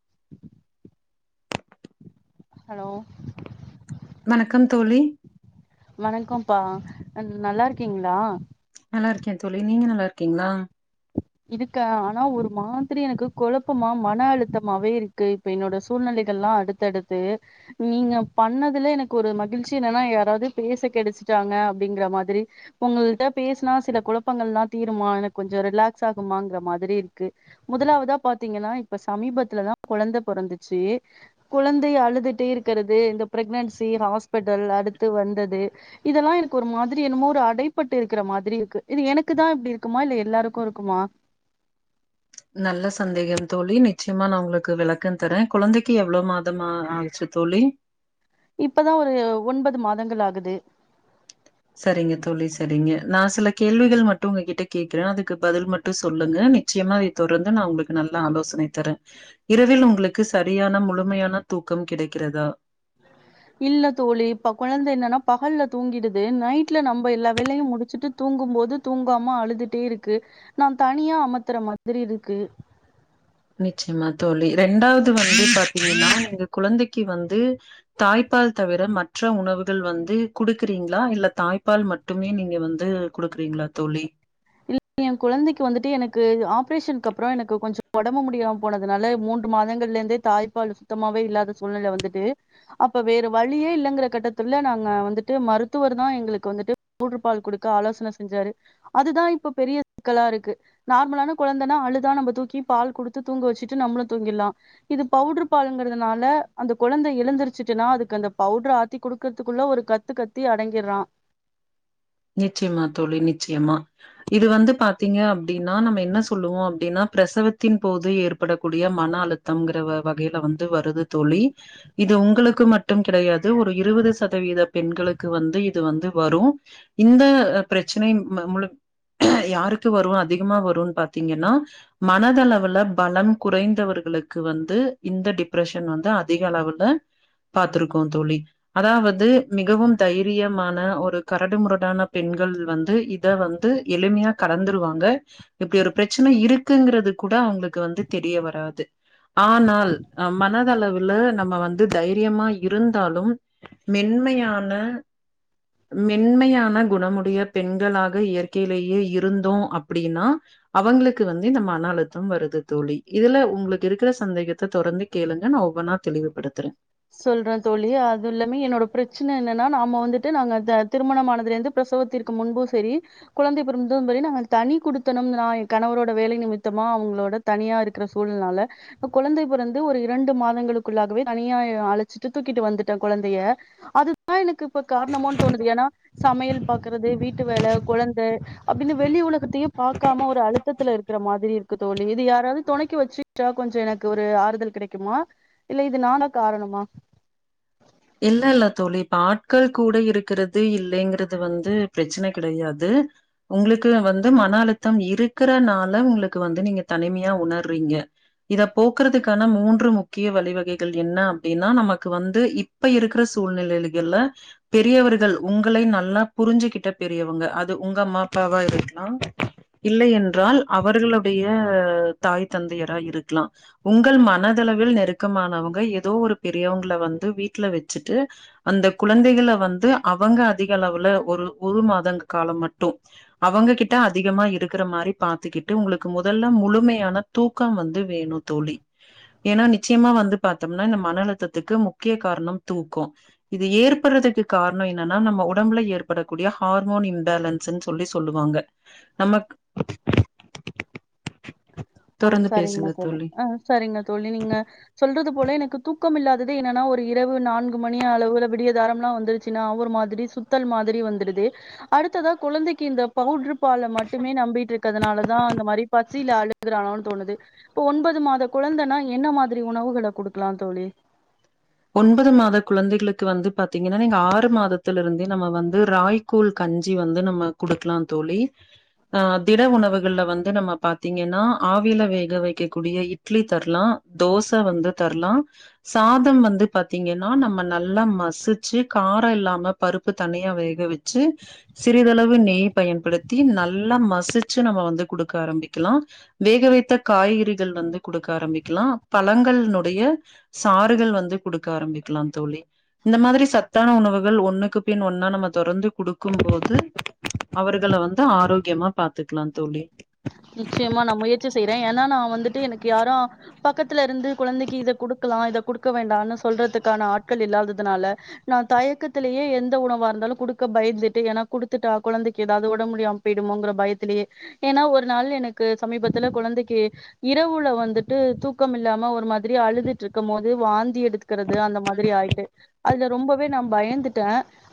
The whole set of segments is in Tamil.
[inaudible] ஹலோ வணக்கம் தோழி வணக்கம் பா நல்லா இருக்கீங்ளா நல்லா இருக்கே தோழி நீங்க நல்லா இருக்கீங்ளா இருக்க ஆனா ஒரு மாதிரி எனக்கு குழப்பமா மன அழுத்தமாவே இருக்கு இப்ப என்னோட சூழ்நிலைகள் எல்லா அடுத்தடுத்து நீங்க பண்ணதுல எனக்கு ஒரு மகிழ்ச்சி என்னன்னா யாராவது பேச கெடச்சிட்டாங்க அப்டிங்கற மாதிரி உங்கள்ட பேசினா சில குழப்பங்கல்லா தீருமா எனக்கு கொஞ்ச ரிலாக்ஸ் ஆகுமாங்கிற மாதிரி இருக்கு முதலாவதா பாத்தீங்னா இப்ப சமீபத்துல தா கொழந்த பொறந்துச்சி குழந்தை அழுதுட்டே இருக்கறது இந்த பிரெக்னன்சி ஹாஸ்பெட்டல் அடுத்து வந்தது இதெல்லா எனக்கு ஒரு மாதிரி என்னமோ ஒரு அடைப்பட்டு இருக்கிற மாதிரி இருக்கு இது எனக்கு தா இப்டி இருக்குமா இல்ல எல்லாருக்கு இருக் குமா நல்ல சந்தேகம் தோழி நிச்சயமா நா உங்களுக்கு விளக்கம் தர குழந்தைக்கு எவ்ளம் மாதமா ஆச்சி தோழி இப்பதா ஒரு ஒன்பது மாதங்கள் ஆகுது சரிங்க தோழி சரிங்க நா சில கேள்விகள் மட்டு உங்க கிட்ட கேக்ற அதுக்கு பதில் மட்டு சொல்லுங்க நிச்சயமா அதை தொடர்ந்து நா உங்களுக்கு நல்லா ஆலோசனை தர இரவில் உங்களுக்கு சரியான முழுமையான தூக்கம் கிடைக்கிறதா இல்ல தோழி இப்ப குழந்த என்னன்னா பகல்ல தூங்கிடுது நைட்ல நம்ம எல்லா வேலையு முடிச்சிட்டு தூங்கும்போது தூங்காம அழுதுட்டே இருக்கு நா தனியா அமத்துற மாதிரி இருக்கு நிச்சயமா தோழி ரெண்டாவது வந்து பாத்தீங்னா நீங்க குழந்தைக்கு வந்து தாய்ப்பால் தவிர மற்ற உணவுகள் வந்து குடுக்றீங்ளா இல்ல தாய்ப்பால் மட் ட்டுமே நீங்க வந்து குடுக்றீங்ளா தோழி ல் ஏ குழந்தைக்கு வந்துட்டு எனக்கு ஆப்ரேஷனுக்கு அப்றோ எனக்கு கொஞ்சோ ஒடம்பு முடியா போனதுனால மூன்று மாதங்கள்ல இருந்தே தாய்ப்பால் சுத்தமாவே இல்லாத சூழ்நிலை வந்துட்டு அப்ப வேற வழியே இல்லங்கிற கட்டத்துள்ள நாங்க வந்துட்டு மருத்துவர் தா எங்களுக்கு வந்துட்டு புவுடர் பால் குடுக்க ஆலோசன செஞ்சாரு அதுதா இப்ப பெரிய சிக்கலா இருக்கு நார்மலான குழந்தனா அழுதா நம்ம தூக்கி பால் குடுத்து தூங்க வச்சிட்டு நம்மளு தூங்கிர்லா இது பவுட்ரு பாலுங்குறதுனால அந்த குழந்த எழுந்துருச்சிட்டுனா அதுக்கு அந்த பவுட்ர ஆத்தி குடுக்றதுக்குள்ள ஒரு கத் த்து கத்தி அடங்கிர்றா நிச்சயமா தோழி நிச்சயமா இது வந்து பாத்தீங்க அப்டினா நம்ம என்ன சொல்லுவோ அப்டினா பிரசவத்தின் போது ஏற்படக்கூடிய மன அழுத் தங்குற வ வகையில வந்து வருது தோழி இது உங்களுக்கு மட்டும் கிடையாது ஒரு இருவது சதவீத பெண்களுக்கு வந்து இது வந்து வரு இந்த பிரச்சனை ம முழுக் யாருக்கு வரு அதிகமா வரூன் பாத்தீங்கனா மனதளவுல பலம் குறைந்தவர்களுக்கு வந்து இந்த டிப்ரஷன் வந்து அதிக அளவுல பாத்துருக்கோ தோழி அதாவது மிகவும் தைரியமான ஒரு கரடுமுரட் டான பெண்கள் வந்து இத வந்து எளிமையா கடந்துருவாங்க இப்டி ஒரு பிரச்சன இருக்குங்றது கூட அவங்களுக்கு வந்து தெரிய வராது ஆனால் அ மனதளவுல நம்ம வந்து தைரியமா இருந்தாலும் மென்மையான மென்மையான் ன குணமுடைய பெண்களாக இயற்கையிலேயே இருந்தோ அப்டினா அவங்களுக்கு வந்து இந்த மன அழுத்தம் வருது தோழி இதுல உங்ளுக்கு இருக்ற சந்தேகத்த தொரந்து கேளுங்க நா ஒவ்வொன்னா தெளிவுபடுத்துறே சொல்ற தோழி அது இல்லாம என்னோட பிரச்சன என்னனா நாம வந்துட்டு நாங்க த திருமணமானதுலேர்ந்து பிரசவத்திற்கு முன்பு செரி குழந்தை பிறந்தும்பெரி நாங்க தனி குடுத்தனம் நா ஏ கணவரோட வேலை நிமிர்த்தமா அவங்களோட தனியா இருக்குற சூழல்னால குழந்தை பிறந்து ஒரு இரண்டு மாதங்களுக்குள்ளாகவே தனி யாய் அழச்சிட்டு தூக்கிட்டு வந்துட்ட கொழந்தய அதுதா எனக்கு இப்ப காரணமோனு தோணுது ஏனா சமையல் பாக்குறது வீட்டு வேல குழந்த அப்டினு வெளி உலகத்தையே பாக்காம ஒரு அழுத் தத்துல இருக்குற மாதிரி இருக்கு தோழி இது யாராவது தொணைக்கி வச்சிக்டா கொஞ்சோ எனக்கு ஒரு ஆறுதல் கிடைக்குமா இல்ல இது நாதா காரணமா இல்ல இல்ல தோழி இப்ப ஆட்கள் கூட இருக்குறது இல்லேங்குறது வந்து பிரச்சனை கிடையாது உங்களுக்கு வந்து மன அழுத்தம் இருக்குறனால உங்களுக்கு வந்து நீங்க தனிமையா உணர்றீங்க இத போக்குறதுக்கான மூன்று முக்கிய வழிவகைகள் என்ன அப்டினா நமக்கு வந்து இப் ப இருக்குற சூழ்நிலைலுகில்ல பெரியவர்கள் உங்களை நல்லா புரிஞ்சுகிட்ட பெரியவங்க அது உங்க அம்மா அப்பாவா இருக்லா இல்லையென்றால் அவர்களுடைய தாய் தந்தையரா இருக்லா உங்கள் மனதளவில் நெருக்கமானவங்க எதோ ஒரு பெரியவங்கள வந்து வீட்ல வெச்சிட்டு அந்த குழந்தைகள வந்து அவங்க அதிக அளவுல ஒரு ஒரு மாதங்கு கால மட்டு அவங்க கிட்ட அதிகமா இருக்குற மாரி பாத்துக்கிட்டு உங்களுக்கு முதல முழுமையான தூக்கம் வந்து வேணு தோழி ஏனா நிச்சயமா வந்து பாத்தம்னா இந்த மன அழுத்தத்துக்கு முக்கிய காரணம் தூக்கோ இது ஏற்படுறதுக்கு காரணோ என்னானா நம்ம உடம்புல ஏற்படக்கூடிய ஹார்மோன் இம்பேலென் சுன் சொல்லி சொல்லுவாங்க நமக் ஓ தொடர்ந்து சரிங்க பேசுங்க தோழி ஆ சரிங்க தோழி நீங்க சொல்றது போல எனக்கு தூக்கம் இல்லாதது என்னனா ஒரு இரவு நான்கு மணி அளவுல விடியதாரம்லா வந்து சினா ஒரு மாதிரி சுத்தல் மாதிரி வந்துருது அடுத்ததா குழந்தைக்கு இந்த பவுட்ரு பால மட்டுமே நம்பிட்ருக்றதுனாலதா அந்த மாரி பத் அழுகுறானோன் தோணுது இப்ப ஒன்பது மாத குழந்தனா என்ன மாதிரி உணவுகள குடுக்கலா தோழி ஒன்பது மாத குழந்தைகளுக்கு வந்து பாத்தீங்கனா நீங்க ஆறு மாதத்துல் இருந்தே நம்ம வந்து ராய் கூழ் கஞ்சி வந்து நம்ம குடுக்லா தோழி ஆ திட உணவுகள்ல வந்து நம்ம பாத்தீங்கன்னா ஆவில வேக வெக்ககூடிய இட் லி தரலா தோசம் வந்து தரலா சாதோ வந்து வந்து பாத்தீங்கன்னா நம்ம நல்லா மசுச்சு காரோ இல்லாம பருப்பு தனியா வேக வெச்சு சிறிதளவு நெய் பயன்படுத்தி நல்லா மசிச்சு நம்ம வந்து குடுக்க ஆரம்பிக்கலா வேக வைத்த காய்கறிகள் வந்து குடுக்க ஆரம்பிக்கலா பழங்கள்னுடைய சாறுகள் வந்து குடுக்க ஆரம்பிக்கலா தோழி இந்த மாத்ரி சத்தான உணவுகள் ஒண்ணுக்கு பின் ஒன்னா நம்ம தொடர்ந்து குடுக்கும்போது அவர்கள வந்து ஆரோக்கியமா பாத்துக்கலா தோழி நிச்சயமா நா முயற்சி செய்றே ஏன்னா நா வந்துட்டு எனக்கு யாரு பக்கத்துல இருந்து குழந்தைக்கு இத குடுக்கலா இத குடுக்க வேண்டான்னு சொல்றதுக்கான ஆட்கள் இல்லாததுனால நா தயக்கத்திலேயே எந்த உணவா இருந்தாலு குடுக்க பயந்துட்டு ஏன்னா குடுத்துட்டா குழந்தைக்கு ஏதாவது ஒடம் முடியாம பேய்டுமோங்குற பயத்திலே ஏன்னா ஒரு நாள் எனக்கு சமீபத்துல குழந்தைக்கு இரவுல வந்துட்டு தூக்கம் இல்லாம ஒரு மாத்ரி அழுதுட்டு இருக்கும் போது வாந்தியெடு எடுத்குறது அந்த மாத்ரி ஆயிட்டு அதுல ரொம்பவே நா பயந்துட்டே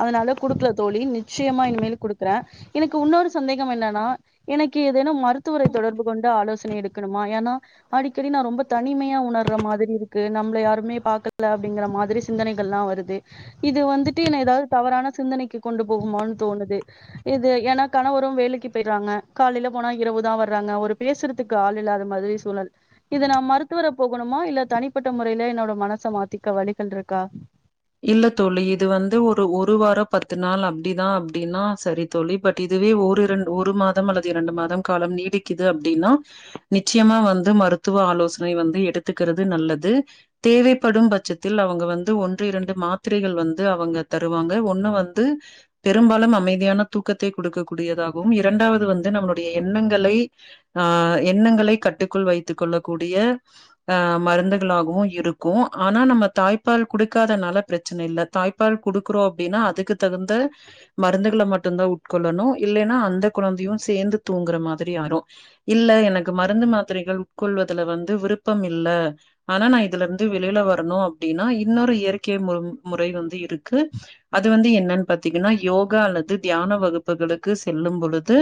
அத்னால குடுக்கல தோழி நிச்சயமா இனிமேல் குடுக்குறே எனக்கு வுன்னொரு சந்தேகம் என்னன்னா எனக்கு ஏ எதேனும் மருத்துவரை தொடர்பு கொண்டு ஆலோசனை எடுக்கணுமா ஏன்னா அடிக்கடி நா ரொம்ப தனிமையா உணர்ற மாதிரி இருக்கு நம்மள யாருமே பாக்கல அப்டிங்கிற மாத்ரி சிந்தனைகள்ல்லாம் வருது இது வந்துட்டு என்ன ஏதாவது தவறான சிந்தனைக்கு கொண்டு போகுமோன்னு தோணுது இது ஏன்னா கணவரு வேலைக்கி போய்றாங்க காலைல போனா இரவுதா வர்றாங்க ஒரு பேசுறதுக்கு ஆள் இல்லாத மாதிரி சூழல் இத நா மருத்துவர போகணுமா இல்ல தனிப்பட்ட முறையில என்னோட மனச மாத்திக்க வழிகள் இருக்கா இல்ல தோழி இது வந்து ஒரு ஒரு வாரோ பத்து நாள் அப்டிதா அப்டின்னா சரி தோழி பட் இதுவே ஒரு இரண்டு ஒரு மாதம் அல்லது இரண்டு மாதம் காலம் நீடிக்குது அப்டின்னா நிச்சயமா வந்து மருத்துவ ஆலோசனை வந்து எடுத்துக்கிறது நல்லது தேவைப்படும் பச்சத்தில் அவ்ங்க வந்து ஒன் று இரண்டு மாத்திரைகள் வந்து அவங்க தருவாங்க ஒன்னு வந்து பெரும்பாலும் அமைதியான தூக்கத்தை குடுக்க கூடியதாகும் இரண்டாவ்து வந்து நம்மளோட எண்ணங்களை ஆ எண்ணங்களை கட்டுக்குள் வைத்துக் கொள்ளக்கூடிய ஆ மருந்துகளாகவும் இருக்கும் ஆனா நம்ம தாய்ப்பால் குடு குடுக்காதனால ப்ரச்சன இல்ல தாய்ப்பால் குடுக்குறோ அப்டின்னா அதுக்கு தகுந்த மருந்துகள மட்டும்தா உட்கொள்ளணு இல்லன்னா அந்த குழந்தையு சேந்து தூங்குற மாதிரி ஆயிரு இல்ல எனக்கு மருந்து மாத்திரைகள் உட்கொள்வதுல வந்து விருப்பம் இல்ல ஆனா நா இதுல இருந்து வெளில வரணு அப்டின்னா இன்னொரு இயற்கை மு முறை வந்து இருக்கு அது வந்து என்னன்னு பாத்தீங்ன்னா யோகா அல்லது தியான வகுப்புகளுக்கு செல்லும் பொழுது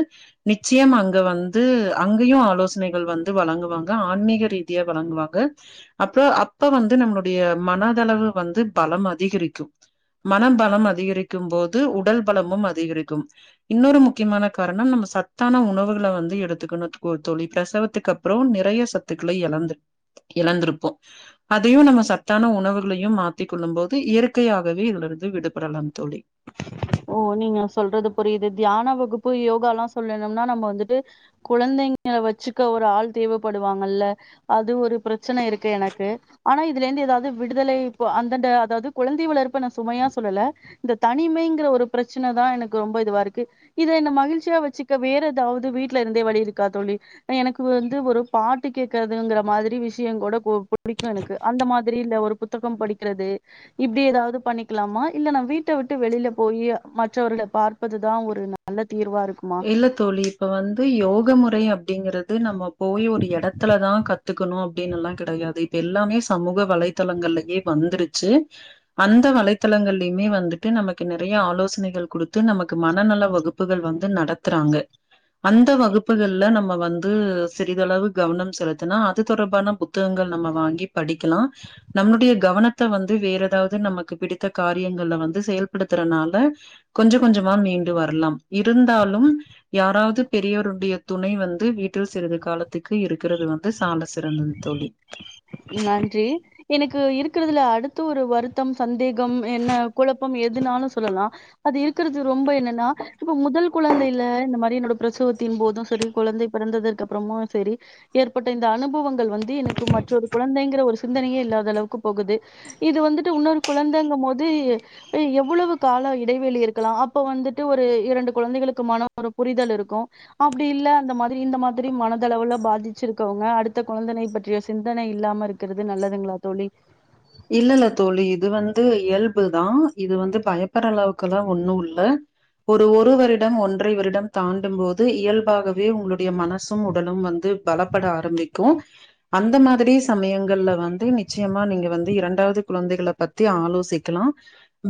நிச்சயம் அங்க வந்து அங்கயு ஆலோசனைகள் வந்து வழங்குவாங்க ஆன்மீக ரீதியா வழங்குவாங்க அப்றோ அப்ப வந்து நம்முளுடைய மனதளவு வந்து பலம் அதிகரிக்கு மன பலம் அதிகரிக்கும் போது உடல் பலமும் அதிகரிக்கும் இன்னொரு முக்கியமான காரணம் நம்ம சத்தான உணவுகள வந்து எடுத்துக்கணு தோழி பிரசவத்துக்கு அப் ப்றோ நிறைய சத்துக்கள யழந்து எழந்திருப்போ அதையு நம்ம சத்தான உணவுகளையு மா மாத்திக் கொள்ளும் போது இயற்கையாகவே இதுல இருந்து விடுபடலாம் தோழி ஓ நீங்க சொல்றது புரியுது தியான வகுப்பு யோகால்லா சொல்லணும்னா நம்ம வந்துட்டு குழந்தைங்க வச்சுக்க ஒரு ஆள் தேவப்படுவாங்கல்ல அது ஒரு ப்ரச்சன இருக்கு எனக்கு ஆனா இதுலேர்ந்து ஏதாது விடுதலை இப்ப அந்தண்ட அதாது குழந்தை வளர்பு நா சுமையா சொல்லல இந்த தனிமைங்கிற ஒரு பிரச்சனதா எனக்கு ரொம்ப இதுவா இருக்கு இத என்ன மகிழ்ச்சியா வச்சுக்க வேற ஏதாவது வீட்ல இருந்தே வழி இருக்கா தோழி ஆ எனக்கு வந்து ஒரு பாட்டு கேக்குறதுங்கற மாதிரி விஷியோ கூட கோ புடிக்கு எனக்கு அந்த மாதிரி இல்ல ஒரு பு புத்தகம் படிக்கிறது இப்டி ஏதாவது பண்ணிக்கலாமா இல்ல நா வீட்ட விட்டு வெளில போயி மற்றவர்கள பார்ப்பதுதா ஒரு நல்ல தீர்வா இருக் இல்ல தோழி இப்ப வந்து யோக முறை அப்டிங்கற து நம்ம போயி ஒரு எடத்துல தா கத்துக்கணு அப்டினு எல்லா கெடையாது இப்ப எல்லாமே சமூக வலைத்தளங்கள்லயே வந்துருச்சு அந்த வலைத்தளங்கள்லயுமே வந்துட்டு நமக்கு நெறைய ஆலோசனைகள் குடுத்து நமக்கு மனநல வகுப்புகள் வ ந்து நடத்துறாங்க அந்த வகுப்புகள்ல நம்ம வந் து சிறிதளவு கவனம் செலுத்துனா அது தொடர்பான புத்தகங்கள் நம்ம வாங்கி படிக்கலா நம்முடைய கவனத்த வந்து வேற எதாவது நமக்கு பிடித்த காரியங்கள்ல வந்து செயல்படுத்துறனால கொஞ்ச கொஞ்சமா மீண்டு வரலாம் இருந்தாலும் யாராது பெரியவருடைய துணை வந்து வீட்டில் சிறிது காலத்துக்கு இருக்கிறது வந்து சாண்ட சிறந்தது தோழி நன்றி எனக்கு இருக்குறதுல அடுத்து ஒரு வருத்தம் சந்தேகம் என்ன குழப்பம் எதுனாலு சொல்லலா அது இருக்குறது ரொம்ப என்னன்னா இப்ப முதல் குழந்தைல இந்த மாரி என்னோட பிரசவத்தின் போது செரி குழந்தை பிறந்ததுக்கு அப்புறமு செரி ஏற்பட்ட இந்த அனுபவங்கள் வந்து எனக்கு மற்றொரு குழந்தைங்கிற ஒரு சிந்தனயே இல்லாத அளவுக்கு போகுது இது வந்துட்டு உன்னொரு குழந்தங்கும் போது ஆ எவ்வளவு கால இடைவெளி இருக்கலா அப்ப வந்துட்டு ஒரு இரண்டு குழந்தைகளுக்கு மன ஒரு புரிதல் இருக்கு அப்டி இல்ல அந்த மாதிரி இந்த மாதிரி மனதளவுல பாதிச்சிருக்கவங்க அடுத்த கொழந்தனை பற்றிய சிந்தனை இல்லாம இருக்கறது நல்லதுங்ளா தோழி இல்லல்ல தோழி இது வந்து இயல்பு தா இது வந்து பயப்பற அளவுக்குல்லா ஒண்ணு இல்ல ஒரு ஒரு வருடம் ஒன்றை வருடம் தாண்டும் போது இயல்பாகவே உங்களுடைய மனசும் உடலும் வந்து பல ப்பட ஆரம்பிக்கு அந்த மாதிரி சமயங்கள்ல வந்து நிச்சயமா நீங்க வந் து இரண்டாவது குழந்தைகள பத்தி ஆலோசிக்கலா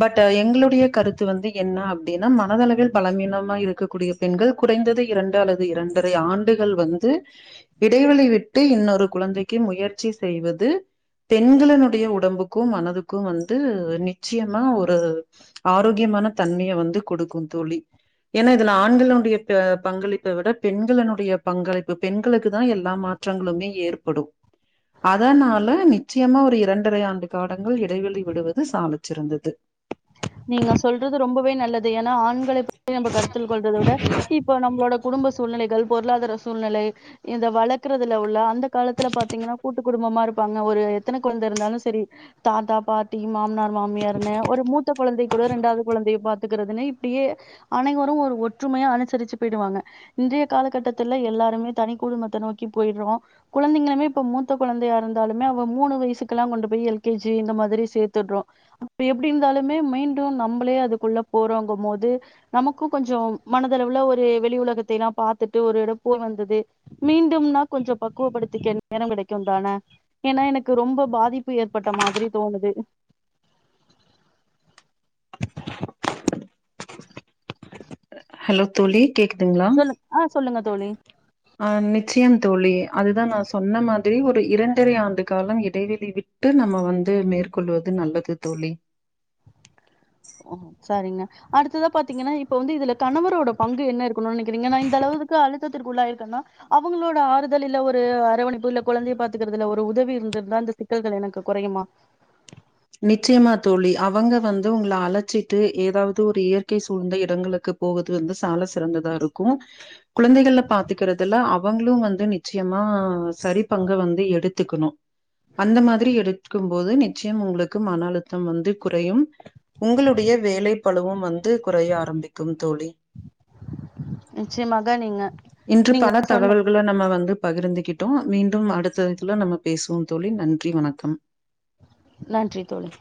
பட் எங்ளுடைய கருத்து வந்து என்ன அப்டின்னா மனதளவில் பலவீனமா இருக்கக்கூடிய பெண்கள் குறைந்தது இரண்டு அல்லது இரண்டரை ஆண்டுகள் வந்து இடைவெளி விட்டு இன்னொரு குழந்தைக்கு முயற்சி செய்வது பெண்களினு டைய உடம்புக்கு மனதுக்கு வந்து நிச்சயமா ஒரு ஆரோக்யமான தன்மைய வந்து குடுக்கு தோழி ஏன்னா இதுல ஆண்களுடைய ப பங்களிப்ப விட பெண்களினுடைய பங்களிப்பு பெண்களுக்கு தா எல்லா மா ற்றங்களுமே ஏற்படு அதனால நிச்சயமா ஒரு இரண் ரை ஆண்டு காடங்கள் இடைவெளி விடுவது சாலச் சிறந்தது நீங்க சொல்றது ரொம்பவே நல்லது ஏன்னா ஆண்களை பத்தி நம்ம கருத்தில் கொள்றத விட இப்போ நம்மளோட குடும்ப சூழ்நிலைகள் பொருளாதார சூழ்நிலை இந்த வளர்க்கறதுல உள்ள அந்த காலத்துல பாத்தீங்கன்னா கூட்டு குடும்பமா இருப்பாங்க ஒரு எத்தன குழந்த இருந்தாலு செரி தாத்தா பாட்டி மாமனார் மாமியார்னு ஒரு முத் த கொழந்தை கூட ரெண்டாவது கொழந்தைய பாத்துக்குறதுன்னு இப்டியே அனைவரும் ஒரு ஒற்றுமையா அனுசரிச்சு போயிடுவாங்க இன்றைய காலகட்டத்துல எல்லாருமே தனிக்குடும்பத்தை நோக்கி போயிட்றோ குழந்தைங்களுமே இப்ப மூத்த குழந்தையா இருந்தாலுமே அவ மூணு வயசுக்குல்லா கொண்டு போய் எல் கே ஜி இந்த மாதிரி சேர்த்துட்றோ அப்ப எப்டி இருந்தாலுமே மீண்டும் நம்பளே அதுக்குள்ள போறோங்கும் போது நமக்கும் கொஞ்சோ மனதளவுள ஒரு வெளி உலகத்தைல்லா பாத்துட்டு ஒரு இட போய் வந்தது மீண்டும்னா கொஞ்சோ பக்குவப்படுத்திக்க நேரம் கிடைக்கும் தான ஏன்னா எனக்கு ரொம்ப பாதிப்பு ஏற்பட்ட மாதிரி தோணுது ஹலோ தோழி கேக்குதுங்களா சொல்லு ஆ சொல்லுங்க தோழி ஆ நிச்சயம் தோழி அதுதா நான் சொன்ன மாதிரி ஒரு இரண்டரை ஆண்டு காலம் இடைவெளி வி ட்டு நம்ம வந்து மேற்கொள்வது நல்லது தோழி ஓ சாரிங்க அடுத்ததா பாத்தீங்கன்னா இப்ப வந்து இதுல கணவரோட பங்கு என்ன இருக்கணு நினைக்கிறீங்க நா இந்த அளவுக்கு அழுத்திற்குள்ளாயிருக்கன்னா அவங்களோட ஆறுதல் இல்ல ஒரு அரவினைப்பு இல்ல குழந்தைய பாத்துக்கறதுல ஒரு உதவி இருந்திருந்தா அந்த சிக்கல்கள் எனக்கு குறையுமா நிச்சயமா தோழி அவங்க வந்து உங்கள அழைச்சிட்டு ஏதாவது ஒரு இயற்கை சூழ்ந்த இடங்களுக்கு போவது வந்து சால சிறந்ததா இருக்கு குழந்தைகள்ல பாத்துக்கறதுல அவங்களு வந்து நிச்சயமா சரி பங்க வந்து எடுத்துக்கணு அந்த மாதிரி எடுத்துகும் போது நிச்சயம் உங்களுக்கு மன அழுத்தம் வந்து குறையும் உங்களுடைய வேலை பழுவும் வந்து குறைய ஆரம்பிக்கும் தோழி நிச்சயமாக நீங்க இன்று நீங்க பல சொன்ன தகவல்கள நம்ம வந்து பகிர்ந்துகிட்டோ மீண்டும் அடுத்த இதுல நம்ம பேசுவோம் தோழி நன்றி வணக்கம் நன்றி தோழி